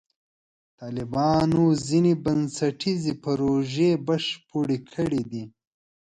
طالبانو ځینې بنسټیزې پروژې بشپړې کړې دي.